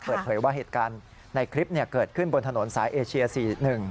เผลอเผยว่าเหตุการณ์ในคลิปเกิดขึ้นบนถนนสายเอเชีย๔๑